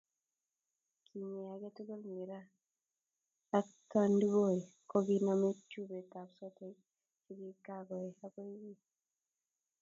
Kinyeei age tugul miraa ak tandiboi kokinomei chupetab sotek che kikakoe agoi wiy